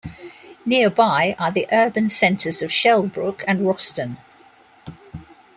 Nearby are the urban centres of Shellbrook and Rosthern.